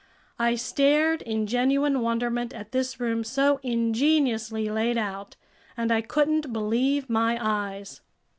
I stared in genuine wonderment at this room so ingeniously laid out, and I couldn't believe my eyes.